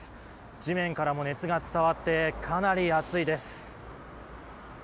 地面からも熱が伝わってかなり暑いです。